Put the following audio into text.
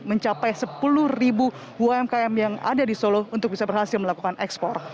mencapai sepuluh ribu umkm yang ada di solo untuk bisa berhasil melakukan ekspor